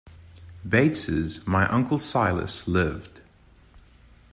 Bates's "My Uncle Silas" lived.